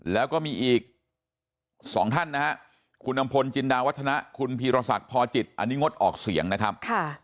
แล้วก็มีอีก๒ท่านนะฮะคุณอำพลจินดาวัฒนะคุณพีรศักดิ์พอจิตอันนี้งดออกเสียงนะครับ